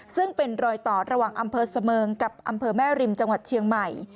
ซึ่งเป็นรอยต่อระหว่างอำเภอเสมิงกับอำเภอแม่ริมจังหวัดเชียงใหม่